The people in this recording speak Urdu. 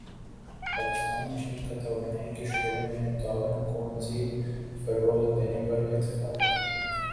پاکستان چین کا توانائی کے شعبے میں تعاون کو مزید فروغ دینے پر اتفاق